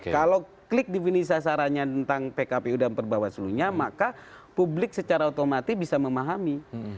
kalau klik definisi sarannya tentang pkpu dan perbawah selunya maka publik secara otomatis bisa memahami